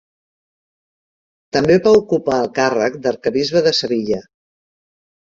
També va ocupar el càrrec d'arquebisbe de Sevilla.